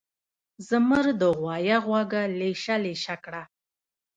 زمر د غوایه غوږه لېشه لېشه کړه.